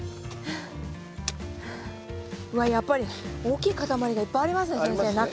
わっやっぱり大きい塊がいっぱいありますね先生中ね。